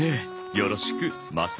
よろしくマサ坊。